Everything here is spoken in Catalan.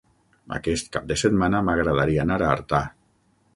Aquest cap de setmana m'agradaria anar a Artà.